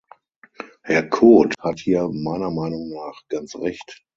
Herr Cot hat hier meiner Meinung nach ganz recht.